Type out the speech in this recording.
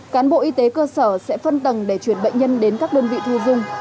cán bộ y tế cơ sở sẽ phân tầng để chuyển bệnh nhân đến các đơn vị thu dung